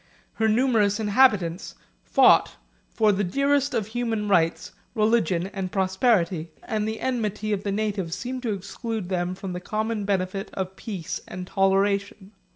Her numerous inhabitants fought for the dearest of human rights, religion and property; and the enmity of the natives seemed to exclude them from the common benefit of peace and toleration.